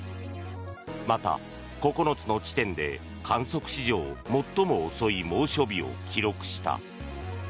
また、９つの地点で観測史上最も遅い猛暑日を記録した。